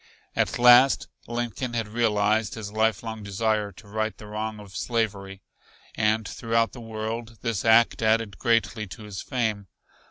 At last Lincoln had realized his lifelong desire to right the wrong of slavery, and throughout the world this act added greatly to his fame.